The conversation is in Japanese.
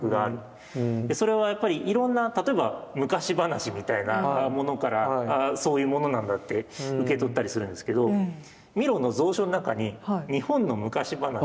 それはやっぱりいろんな例えば昔話みたいなものからそういうものなんだって受け取ったりするんですけどミロの蔵書の中に日本の昔話をカタルーニャ語に訳したものがあるんです。